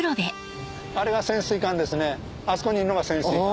あそこにいるのが潜水艦。